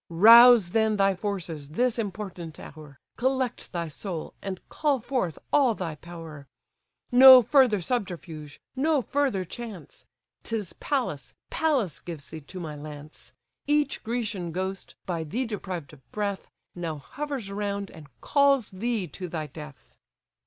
Rouse then thy forces this important hour, Collect thy soul, and call forth all thy power. No further subterfuge, no further chance; 'Tis Pallas, Pallas gives thee to my lance. Each Grecian ghost, by thee deprived of breath, Now hovers round, and calls thee to thy death."